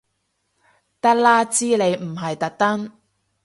得啦知你唔係特登